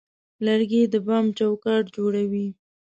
لرګی د بام چوکاټ جوړوي.